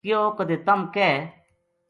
کہیو کَدے تَم کہہ